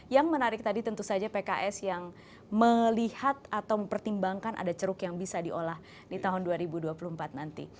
yang menarik tadi tentu saja pks yang melihat atau mempertimbangkan ada ceruk yang bisa diolah di tahun dua ribu dua puluh empat nanti